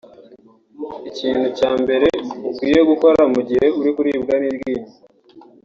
Ikintu cya mbere ukwiye gukora mu gihe uri kuribwa n’iryinyo